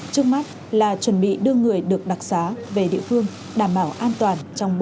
trước mắt là chuẩn bị đưa người được đặc xá về địa phương